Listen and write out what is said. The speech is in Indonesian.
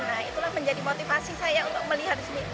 nah itulah menjadi motivasi saya untuk melihat di sini